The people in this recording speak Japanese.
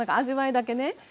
味わいだけね。